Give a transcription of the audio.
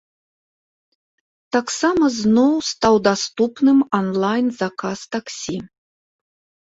Таксама зноў стаў даступным анлайн-заказ таксі.